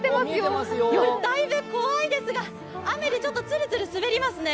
だいぶ怖いですが雨でちょっとつるつる滑りますね。